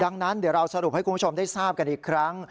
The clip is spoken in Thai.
ดังนั้นเดี๋ยวเราสรุปให้คุณผู้ชมได้ทราบกันอีกครั้ง